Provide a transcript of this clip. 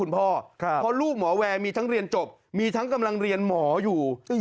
เพราะลูกหมอแวร์มีทั้งเรียนจบมีทั้งกำลังเรียนหมออยู่